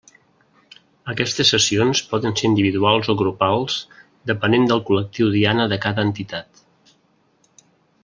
Aquestes sessions poden ser individuals o grupals depenent del col·lectiu diana de cada entitat.